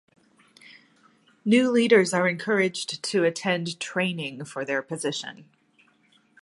New leaders are encouraged to attend training for their position.